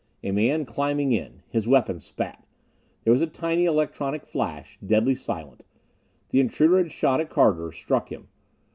A man climbing in! His weapon spat. There was a tiny electronic flash, deadly silent. The intruder had shot at Carter; struck him.